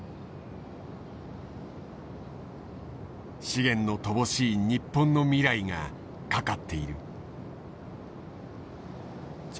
資源の乏しい日本の未来が懸かっている。